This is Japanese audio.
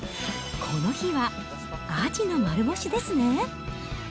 この日はアジの丸干しですね。